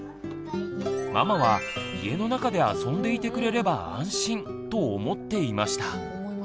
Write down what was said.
ママは「家の中で遊んでいてくれれば安心」と思っていました。